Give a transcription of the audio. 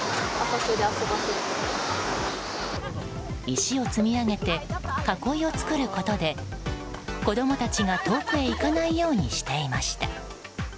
石を積み上げて囲いを作ることで子供たちが遠くに行かないようにしていました。